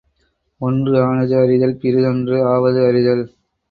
ஒன்று ஆனது அறிதல், பிறிதொன்று ஆவது அறிதல்.